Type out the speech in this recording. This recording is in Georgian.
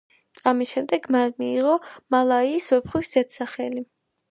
ამის შემდეგ მან მიიღო „მალაიის ვეფხვის“ ზედსახელი.